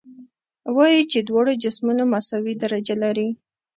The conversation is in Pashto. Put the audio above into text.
وایو چې دواړه جسمونه مساوي درجه لري.